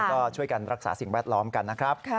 ก็ช่วยกันรักษาสิ่งแวดล้อมกันนะครับ